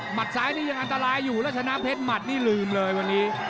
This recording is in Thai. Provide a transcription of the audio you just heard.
ซ้ายนี่ยังอันตรายอยู่แล้วชนะเพชรหมัดนี่ลืมเลยวันนี้